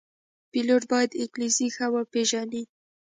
پیلوټ باید انګلیسي ښه وپېژني.